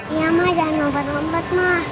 iya ma jangan lompat lompat ma